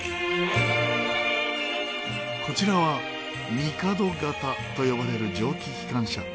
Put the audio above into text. こちらはミカド形と呼ばれる蒸気機関車。